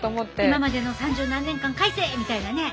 今までの三十何年間返せみたいなね。